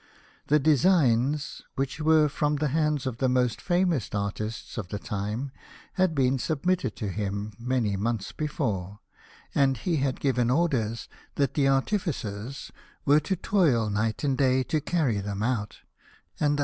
The designs, which were from the hands of the most famous artists of the time, had been sub mitted to him many months before, and he had given orders that the artificers were to toil night and day to carry them out, and that 6 The Young King.